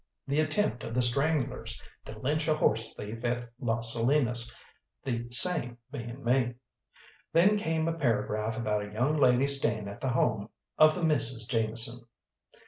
The attempt of the Stranglers to lynch a horse thief at Las Salinas, the same being me. Then came a paragraph about a young lady staying at the home of the Misses Jameson.